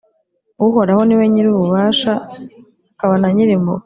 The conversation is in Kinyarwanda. Uhoraho niwe we Nyir’ububasha, akaba na Nyir’impuhwe»